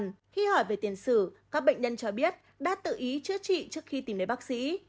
nhưng khi hỏi về tiền sử các bệnh nhân cho biết đã tự ý chữa trị trước khi tìm lấy bác sĩ